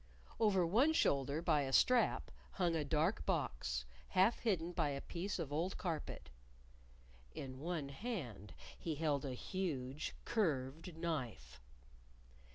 Over one shoulder, by a strap, hung a dark box, half hidden by a piece of old carpet. In one hand he held a huge, curved knife.